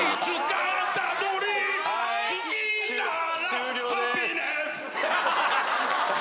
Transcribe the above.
終了でーす。